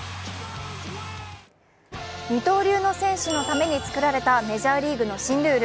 二刀流の選手のために作られたメジャーリーグの新ルール